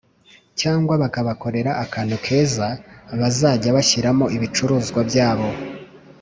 cyangwa bakabakorera akantu keza bazajya bashyiramo ibicuruzwa byabo